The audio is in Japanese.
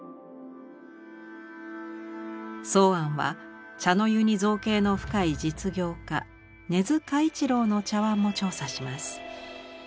箒庵は茶の湯に造詣の深い実業家根津嘉一郎の茶碗も調査します。